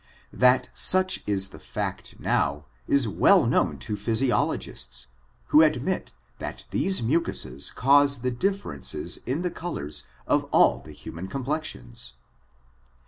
That such is the fact now, is well known to phys iologists, who admit that these mucuses cause the difference in the colors of all the human complexions.